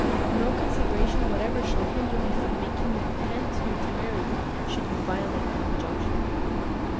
No consideration whatever shall hinder me from making you repent your temerity should you violate my injunction."